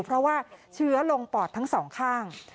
เพราะว่าเชื้อลงปอดทั้งสองข้าง